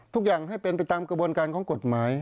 ทุกอย่างให้เป็นไปตามกระบวนการของกฎหมาย